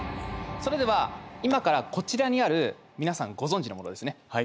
それでは今からこちらにある皆さんご存じのものですね。